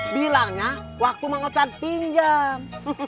bilangnya waktu mang ochar pinjam